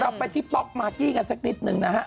เราไปที่ป๊อกมากกี้กันสักนิดนึงนะฮะ